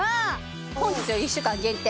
本日より１週間限定